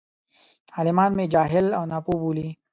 عالمان مې جاهل او ناپوه بولي.